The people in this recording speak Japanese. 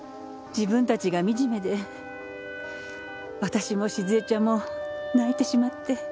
自分たちが惨めで私も静江ちゃんも泣いてしまって。